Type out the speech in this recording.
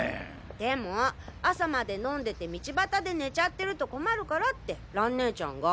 でも朝まで飲んでて道ばたで寝ちゃってると困るからって蘭ねえちゃんが。